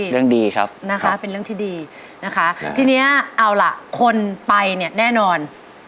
ดีครับนะคะเป็นเรื่องที่ดีนะคะทีนี้เอาล่ะคนไปเนี่ยแน่นอน